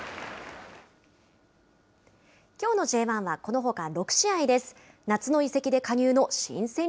きょうのＪ１はこのほか６試合です。